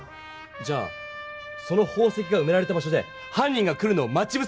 じゃあその宝石がうめられた場所ではん人が来るのを待ちぶせる！